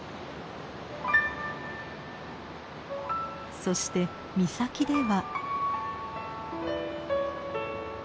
そして岬では。